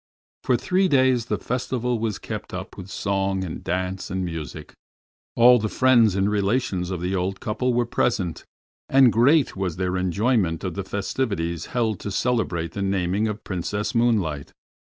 For three days the festival was kept up with song and dance and music. All the friends and relations of the old couple were present, and great was their enjoyment of the festivities held to celebrate the naming of Princess Moonlight.